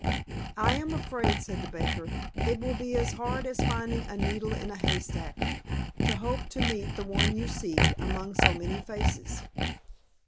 "I am afraid," said the baker, "it will be as hard as finding a needle in a hay stack, to hope to meet the one you seek, among so many faces."